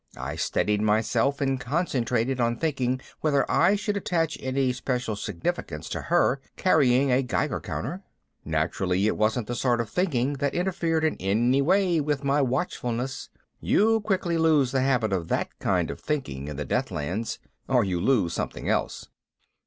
I steadied myself and concentrated on thinking whether I should attach any special significance to her carrying a Geiger counter. Naturally it wasn't the sort of thinking that interfered in any way with my watchfulness you quickly lose the habit of that kind of thinking in the Deathlands or you lose something else.